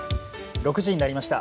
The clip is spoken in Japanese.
６時になりました。